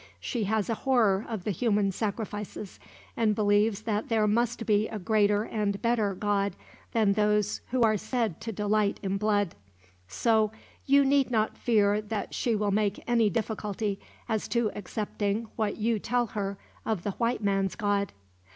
She has a horror of the human sacrifices, and believes that there must be a greater and better God than those who are said to delight in blood. So you need not fear that she will make any difficulty as to accepting what you tell her of the white man's God.